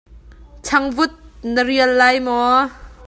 Changvut na rial lai maw?